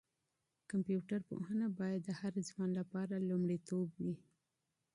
کمپيوټر پوهنه باید د هر ځوان لپاره لومړیتوب وي.